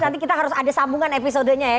nanti kita harus ada sambungan episodenya ya